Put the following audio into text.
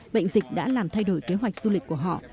bệnh dịch đã làm thay đổi kế hoạch du lịch của họ